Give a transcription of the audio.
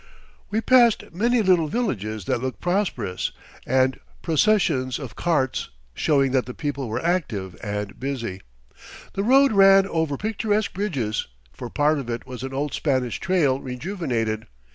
We passed many little villages that looked prosperous, and processions of carts, showing that the people were active and busy. The road ran over picturesque bridges, for part of it was an old Spanish trail rejuvenated.